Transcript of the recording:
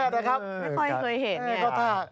ไม่ค่อยเคยเห็น